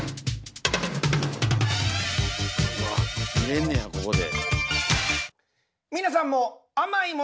うわっ見れんねやここで。